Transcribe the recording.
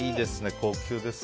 高級ですね。